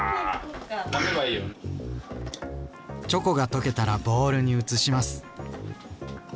チョコが溶けたらボウルに移します。